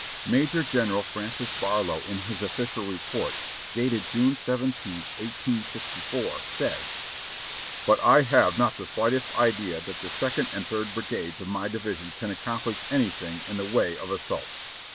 Major General Francis Barlow, in his official report, dated June 17th, 1864, says: "But I have not the slightest idea that the Second and Third Brigades of my Division can accomplish anything in the way of assault.